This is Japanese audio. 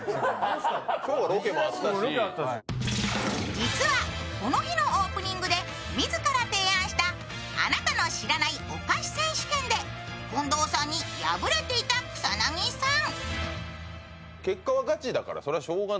実は、この日のオープニングで、自ら提案したあなたの知らないお菓子選手権で近藤さんに敗れていた草薙さん。